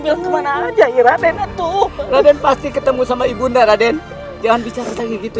bilang kemana aja ira dengertu raden pasti ketemu sama ibu ndak raden jangan bicara begitu